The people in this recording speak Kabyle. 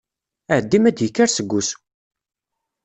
Ɛeddi m'ad d-yekker seg usu!